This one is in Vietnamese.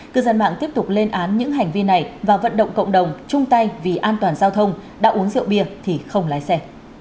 cư dân mạng tiếp tục lên án những hành vi này và vận động cộng đồng chung tay vì an toàn giao thông đã uống rượu bia thì không lái xe